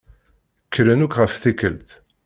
Kkren akk ɣef tikkelt.